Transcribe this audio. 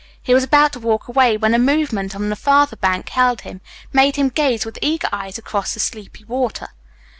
He was about to walk away when a movement on the farther bank held him, made him gaze with eager eyes across the sleepy water.